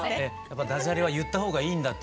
ダジャレは言ったほうがいいんだって